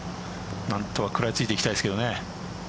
何とか食らい付いていきたいですけどね。